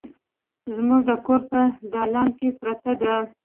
زموږ د کور په دالان کې پرته ده